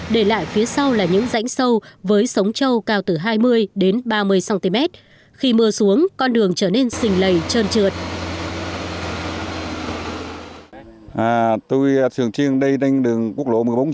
để lại phía sau là những rãnh sâu với sống châu cao từ hai mươi đến ba mươi cm khi mưa xuống con đường trở nên sình lầy trơn trượt